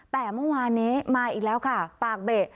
แต่เมื่อวานนี้มาอีกแล้วค่ะปากเบะ